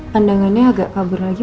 pandangannya agak kabur lagi